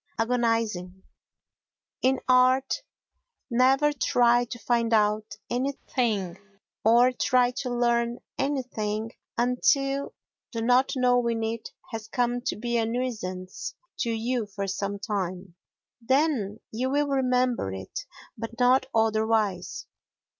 Agonising In art, never try to find out anything, or try to learn anything until the not knowing it has come to be a nuisance to you for some time. Then you will remember it, but not otherwise.